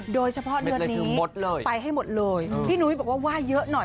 โดยเฉพาะเดือนนี้ไปให้หมดเลยพี่นุ้ยบอกว่าว่าเยอะหน่อย